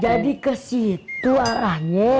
jadi ke situ arahnya